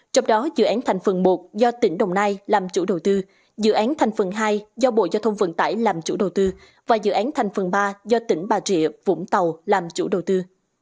trong đó dự án thành phần một do tỉnh đồng nai làm chủ đầu tư dự án thành phần hai do bộ giao thông vận tải làm chủ đầu tư và dự án thành phần ba do tỉnh bà rịa vũng tàu làm chủ đầu tư